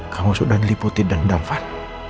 kamu sudah diliputi dendam van